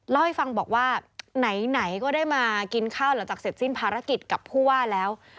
เล่าให้ฟังบอกว่าไหนก็ได้มากินข้าวหลังจากเสร็จสิ้นภารกิจกับผู้ว่าแล้ว